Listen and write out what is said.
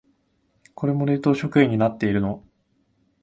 これも冷凍食品になってるの？